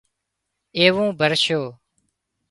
ايوون ڀرشو